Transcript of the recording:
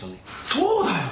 そうだよ。